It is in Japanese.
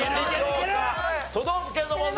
都道府県の問題。